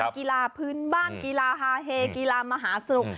กีฬาพื้นบ้านกีฬาฮาเฮกีฬามหาสนุก